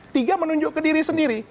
tiga menunjuk ke diri sendiri